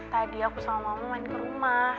tadi aku sama mama main ke rumah